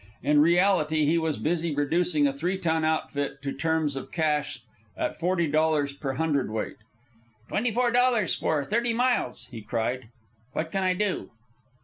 In reality he was busy reducing a three ton outfit to terms of cash at forty dollars per hundred weight. "Twenty four hundred dollars for thirty miles!" he cried. "What can I do?"